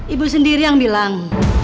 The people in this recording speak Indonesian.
ibu sendiri yang bilang